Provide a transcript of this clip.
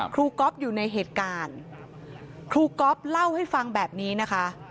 ก๊อฟอยู่ในเหตุการณ์ครูก๊อฟเล่าให้ฟังแบบนี้นะคะ